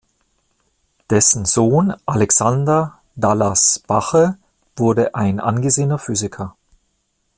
Dessen Sohn Alexander Dallas Bache wurde ein angesehener Physiker.